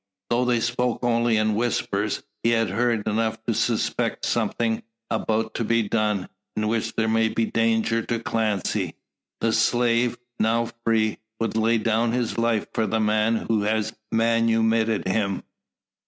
Though they spoke only in whispers, he has heard enough to suspect something about to be done, in which there may be danger to Clancy. The slave, now free, would lay down his life for the man who has manumitted him.